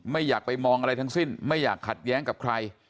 ไม่อยากไปมองอะไรทั้งสิ้นไม่อยากขัดแย้งกับใคร